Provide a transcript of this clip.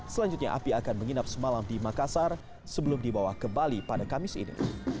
selanjutnya api akan menginap semalam di makassar sebelum dibawa ke bali pada kamis ini